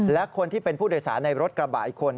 และคนที่เป็นผู้โดยสารในรถกระบะอีกคน